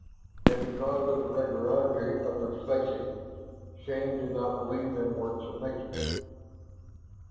And because of the regularity of their spacing, Shann did not believe them works of nature.